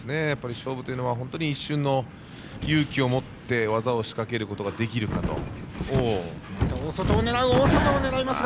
勝負というのは一瞬の勇気を持ち技を仕掛けることができるかどうか。